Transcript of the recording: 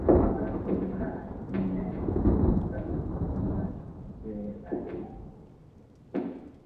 manget kole kaine asimache ayay kunoto